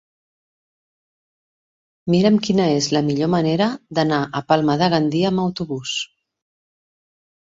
Mira'm quina és la millor manera d'anar a Palma de Gandia amb autobús.